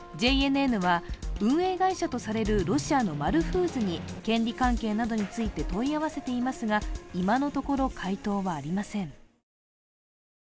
ＪＮＮは運営会社とされるロシアのマルフーズに権利関係などについて問い合わせていますが、今のところ回答はありません。